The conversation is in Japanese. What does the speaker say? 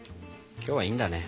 今日はいいんだね。